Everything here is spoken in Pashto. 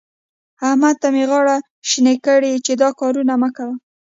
احمد ته مې غاړې شينې کړې چې دا کارونه مه کوه.